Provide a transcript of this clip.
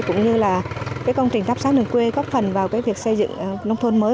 cũng như là công trình thắp sát nền quê góp phần vào việc xây dựng nông thôn mới